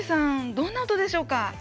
どんな音でしょうか？